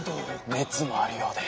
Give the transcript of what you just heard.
熱もあるようで。